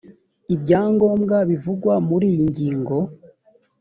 ibyangombwa bivugwa muri iyi ngingo